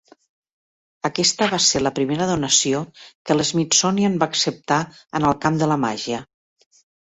Aquesta va ser la primera donació que l'Smithsonian va acceptar en el camp de la màgia.